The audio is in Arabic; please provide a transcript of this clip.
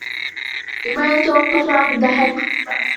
لم يتوقف عن الضحك.